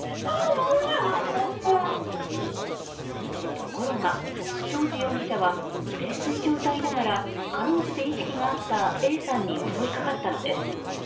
ところが、正地容疑者は泥酔状態ながらかろうじて意識があったＡさんに襲いかかったのです。